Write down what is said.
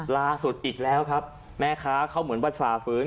ล่าสุดอีกแล้วครับแม่ค้าเขาเหมือนว่าฝ่าฝืน